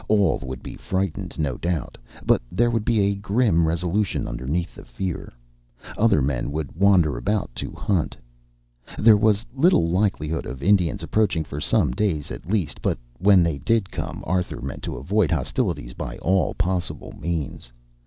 All would be frightened, no doubt, but there would be a grim resolution underneath the fear. Other men would wander about to hunt. There was little likelihood of Indians approaching for some days, at least, but when they did come Arthur meant to avoid hostilities by all possible means.